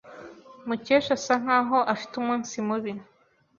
Mukesha asa nkaho afite umunsi mubi.